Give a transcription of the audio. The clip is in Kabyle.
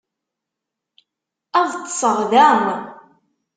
Ad ṭṭseɣ da.